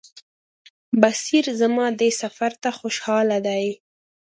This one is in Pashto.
بصیر زما دې سفر ته خوشاله دی.